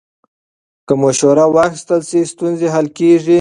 که مشوره واخیستل شي، ستونزه حل کېږي.